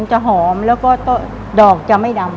จะหอมแล้วก็ดอกจะไม่ดำ